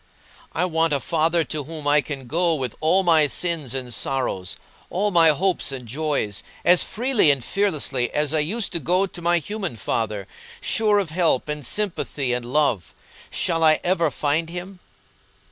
I want a Father to whom I can go with all my sins and sorrows, all my hopes and joys, as freely and fearlessly as I used to go to my human father, sure of help and sympathy and love. Shall I ever find Him?"